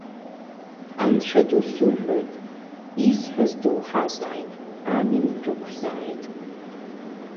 Анцәа ду суҳәоит, исҳәаз доуҳазааит, амин рықәзааит!